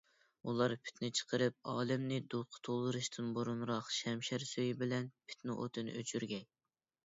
ئۇلار پىتنە چىقىرىپ ئالەمنى دۇتقا تولدۇرۇشتىن بۇرۇنراق شەمشەر سۈيى بىلەن پىتنە ئوتىنى ئۆچۈرگەي.